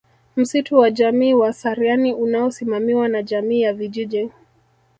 Msitu wa Jamii wa Sariani unaosimamiwa na jamii ya vijiji